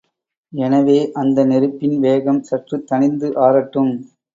எனவே அந்த நெருப்பின் வேகம் சற்றுத் தணிந்து ஆறட்டும்.